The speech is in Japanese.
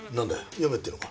読めっていうのか？